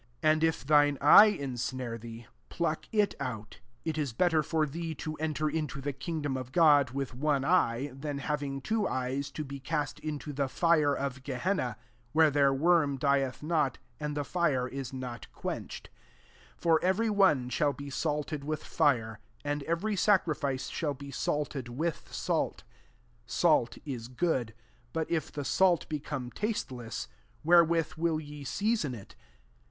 ] 47 And if thine eye insnare thee, pluck it out : it is better for thee to enter into the kingdom of God with one eye, than having two eyes, to be cast into [the fire of] Geh^na ; 48 where their worm dieth not, and the fire is not quenched. 49 " For every one shall be salted with fire, and every sacrifice «hall be salt ed with salt. 50 Salt /« good: but if the salt become tasteless, wherewith will ye season it?